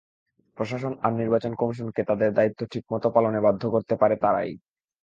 প্রশাসন আর নির্বাচন কমিশনকে তাদের দায়িত্ব ঠিকমতো পালনে বাধ্য করতে পারে তারাই।